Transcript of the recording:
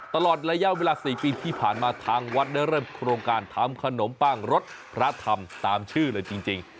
ตลอดระยะเวลา๔ปีที่ผ่านมาทางวัดได้เริ่มโครงการทำขนมปังรสพระธรรมตามชื่อเลยจริง